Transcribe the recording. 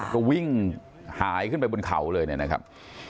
ก็วิ่งหายขึ้นไปบนเขาเลยเนี่ยนะครับ